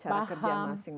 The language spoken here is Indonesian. cara kerja masing masing